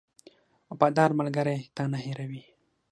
• وفادار ملګری تا نه هېروي.